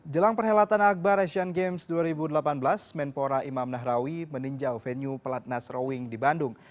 jelang perhelatan akbar asian games dua ribu delapan belas menpora imam nahrawi meninjau venue pelatnas rowing di bandung